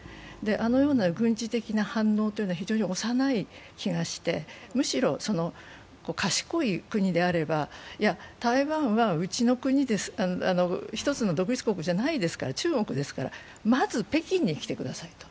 あのような軍事的な反応というのは非常に幼い気がして、むしろ、賢い国であれば、台湾は、１つの独立国じゃない中国ですから、まず北京に来てくださいと。